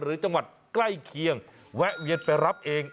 หรือจังหวัดใกล้เคียงแวะเวียนไปรับเอง